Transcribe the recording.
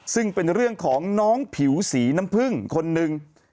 ซึ่งเป็นเรื่องของน้องผิวสีน้ำผึ้งคนหนึ่ง